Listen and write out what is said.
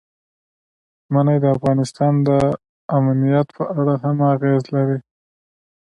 منی د افغانستان د امنیت په اړه هم اغېز لري.